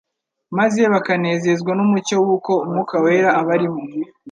maze bakanezezwa n'umucyo w'uko Umwuka wera abarimo.